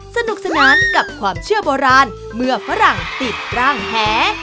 สนุกสนานกับความเชื่อโบราณเมื่อฝรั่งติดร่างแห